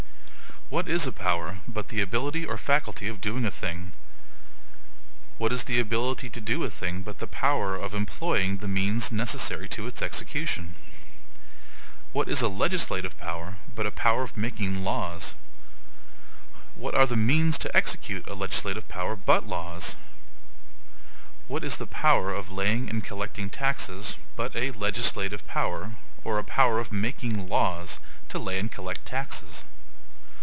What is a power, but the ability or faculty of doing a thing? What is the ability to do a thing, but the power of employing the MEANS necessary to its execution? What is a LEGISLATIVE power, but a power of making LAWS? What are the MEANS to execute a LEGISLATIVE power but LAWS? What is the power of laying and collecting taxes, but a LEGISLATIVE POWER, or a power of MAKING LAWS, to lay and collect taxes?